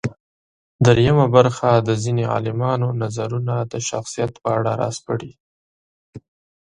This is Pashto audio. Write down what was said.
درېیمه برخه د ځينې عالمانو نظرونه د شخصیت په اړه راسپړي.